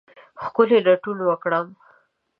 ښکلې لټون وکرم